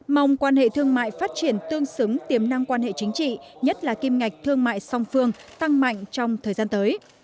mong quan hệ thương mại phát triển tương xứng tiềm năng quan hệ chính trị nhất là kim ngạch thương mại song phương tăng mạnh trong thời gian tới